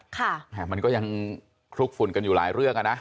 ค่ะมันก็ยังคลุกฝุ่นกันอยู่หลายเรื่องอ่ะนะ